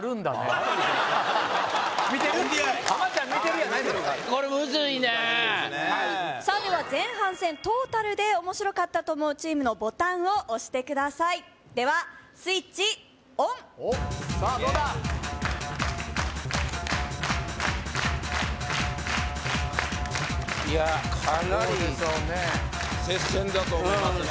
難しいですねさあでは前半戦トータルで面白かったと思うチームのボタンを押してくださいではスイッチオンさあどうだいやかなり・どうでしょうね接戦だと思いますね